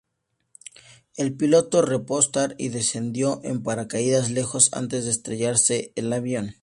El piloto repostar y descendió en paracaídas lejos antes de estrellarse el avión.